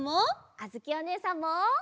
あづきおねえさんも。